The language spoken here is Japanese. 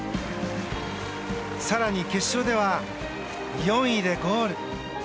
更に決勝では４位でゴール。